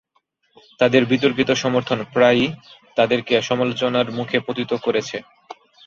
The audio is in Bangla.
তাদের বিতর্কিত সমর্থন প্রায়ই তাদেরকে সমালোচনার মুখে পতিত করেছে।